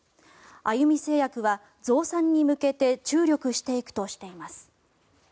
あゆみ製薬は増産に向けて注力していくとしています。